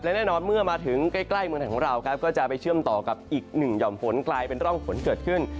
และแน่นอนเมื่อมาถึงใกล้เมืองไทยของเราครับก็จะไปเชื่อมต่อกับอีกหนึ่งหย่อมฝนกลายเป็นร่องฝนเกิดขึ้น